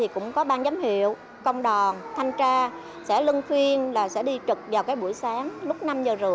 cũng có ban giám hiệu công đoàn thanh tra sẽ lưng phiên là sẽ đi trực vào buổi sáng lúc năm h ba mươi